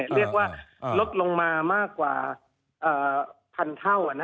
เรียกว่าลดลงมามากกว่า๑๐๐เท่า